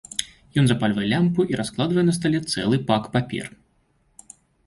Ён запальвае лямпу і раскладвае на стале цэлы пак папер.